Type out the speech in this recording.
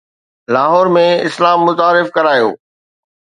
لاهور ۾ اسلام متعارف ڪرايو